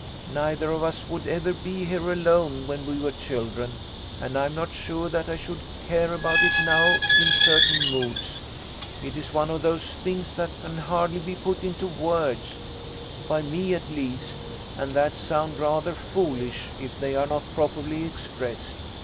Neither of us would ever be here alone when we were children, and I'm not sure that I should care about it now in certain moods. It is one of those things that can hardly be put into words by me at least and that sound rather foolish if they are not properly expressed.